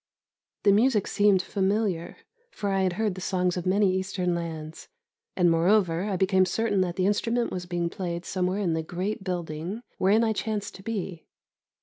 The music seemed familiar (for I had heard the songs of many Eastern lands), and, moreover, I became certain that the instrument was being played somewhere in the great building wherein I chanced to be.